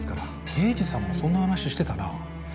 栄治さんもそんな話してたなぁ。